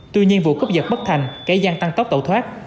tuy nhiên vụ cướp giật bất thành kẻ gian tăng tốc tẩu thoát